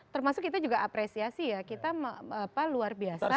termasuk kita juga apresiasi ya kita luar biasa